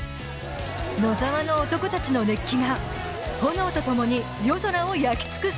野沢の男たちの熱気が炎とともに夜空を焼き尽くす